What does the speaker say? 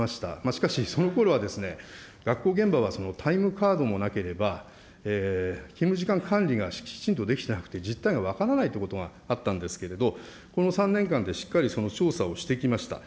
しかしそのころは、学校現場はタイムカードもなければ、勤務時間管理がきちんとできてなくて、実態が分からないということがあったんですけれども、この３年間でしっかりその調査をしてきました。